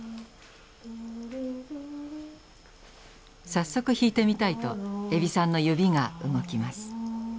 早速弾いてみたいと海老さんの指が動きます。